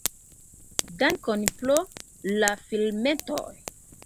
Dankon pro la filmetoj!